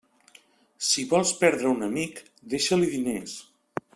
Si vols perdre un amic, deixa-li diners.